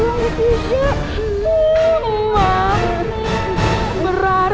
udah cepetan cepetan